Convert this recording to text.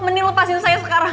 mending lepasin saya sekarang